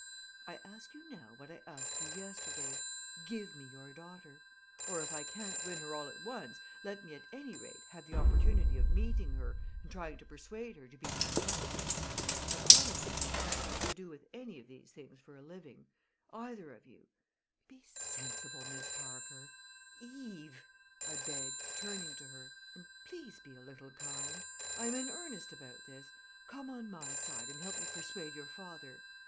"I ask you now what I asked you yesterday: Give me your daughter! Or if I can't win her all at once let me at any rate have the opportunity of meeting her and trying to persuade her to be my wife. I promise you you shan't have to do any of these things for a living either of you. Be sensible, Miss Parker Eve!" I begged, turning to her; "and please be a little kind. I am in earnest about this. Come on my side and help me persuade your father.